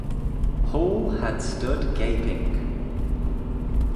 Hall had stood gaping.